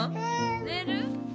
寝る？